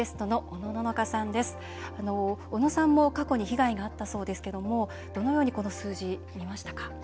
おのさんも、過去に被害があったそうですけどもどのようにこの数字、見ましたか？